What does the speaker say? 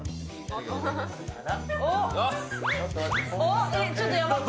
おっ？